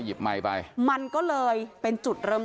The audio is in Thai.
ขอบคุณครับขอบคุณครับ